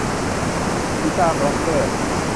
บีต้าบล็อคเกอร์